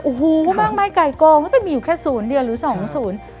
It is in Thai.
อูหู้บ้างไม่ไก่กงมันไปอยู่แค่ศูนย์เดือนหรือ๒ศูนย์